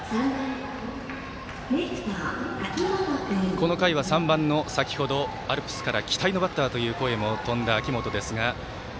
この回は３番の、先ほどアルプスから期待のバッターと声も飛んだ秋元ですが。